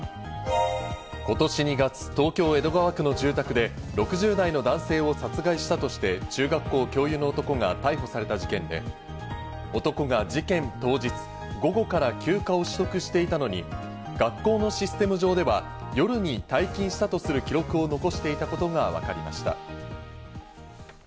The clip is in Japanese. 今年２月、東京・江戸川区の住宅で６０代の男性を殺害したとして中学校教諭の男が逮捕された事件で、男が事件当日、午後から休暇を取得していたのに、学校のシステム上では、夜に退勤したとする記録を残していたことがわかりました。